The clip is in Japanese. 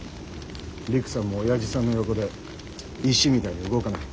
りくさんもおやじさんの横で石みたいに動かない。